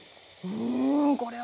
うんこれは。